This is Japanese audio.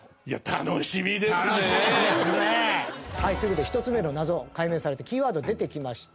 楽しみですねえ。という事で１つ目の謎解明されてキーワード出てきました。